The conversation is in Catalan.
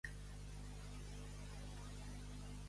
Bona nit i moltes!